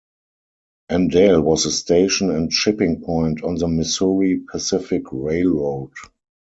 Andale was a station and shipping point on the Missouri Pacific Railroad.